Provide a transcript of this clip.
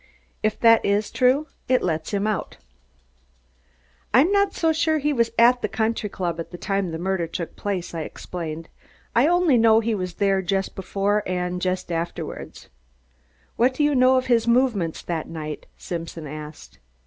If that is true, it lets him out." "But I'm not sure he was at the country club at the time the murder took place," I explained. "I only know he was there just before and just afterward." "What do you know of his movements that night?" Simpson asked.